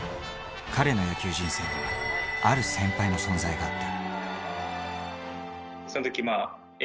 彼の野球人生はある先輩の存在があった。